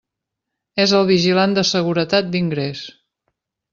És el vigilant de seguretat d'ingrés.